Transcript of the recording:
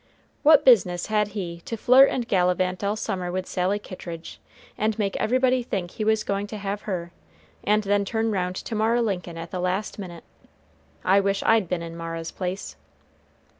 "What business had he to flirt and gallivant all summer with Sally Kittridge, and make everybody think he was going to have her, and then turn round to Mara Lincoln at the last minute? I wish I'd been in Mara's place."